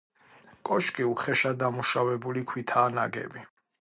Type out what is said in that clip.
კოშკი უხეშად დამუშავებული ქვითაა ნაგები.